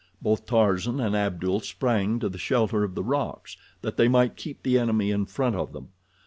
Both Tarzan and Abdul sprang to the shelter of the rocks, that they might keep the enemy in front of them.